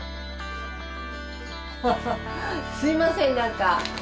すいません何か。